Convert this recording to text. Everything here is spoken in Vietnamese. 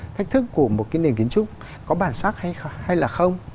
thách thức của một cái nền kiến trúc có bản sắc hay là không